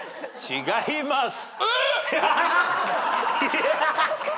違います。